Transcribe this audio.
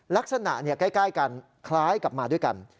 ลักษณะใกล้กันคล้ายกับมาด้วยกัน